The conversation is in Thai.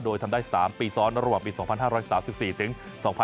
โดยทำได้๓ปีซ้อนระหว่างปี๒๕๓๔ถึง๒๕๖๒